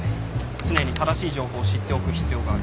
常に正しい情報を知っておく必要がある。